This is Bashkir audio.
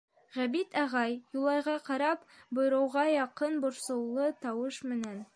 Ғәбит ағай, Юлайға ҡарап, бойороуға яҡын борсоулы тауыш менән: